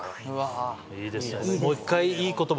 いいですね。